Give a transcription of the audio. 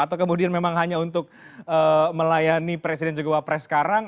atau kemudian memang hanya untuk melayani presiden juga wapres sekarang